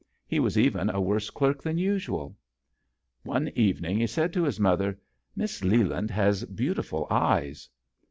He was even a worse clerk than usual. One evening he said to his mother, " Miss Leland has beautiful eyes."